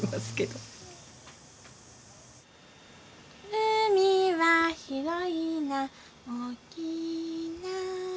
「うみはひろいなおおきいな」